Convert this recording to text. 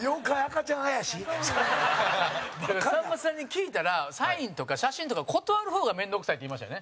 陣内：さんまさんに聞いたらサインとか写真とか断る方が面倒くさいって言いましたよね。